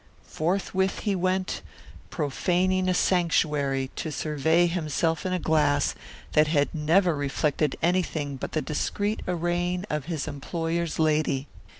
Forthwith he went, profaning a sanctuary, to survey himself in a glass that had never reflected anything but the discreet arraying of his employer's lady.